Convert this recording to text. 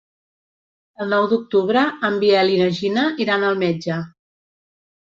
El nou d'octubre en Biel i na Gina iran al metge.